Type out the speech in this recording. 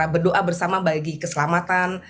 berdoa bersama bagi keselamatan